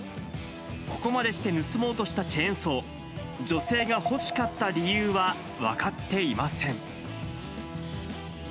ここまでして盗もうとしたチェーンソー、女性が欲しかった理由は分かっていません。